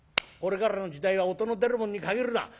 これからの時代は音の出るもんに限るな。